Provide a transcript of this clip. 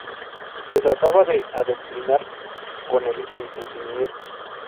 Se trataba de adoctrinar con el entretenimiento.